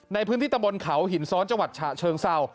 ในพื้นที่ตะบนเขาหินซ้อนจังหวัดฉะเชิงเศร้า